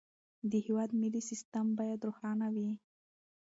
د هېواد مالي سیستم باید روښانه وي.